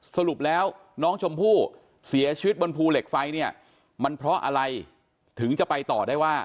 สรุปแล้วน้องชมพู่เสียชีวิตบนภูเหล็กไฟเนี่ยมันเพราะอะไรถึงจะไปต่อได้ว่า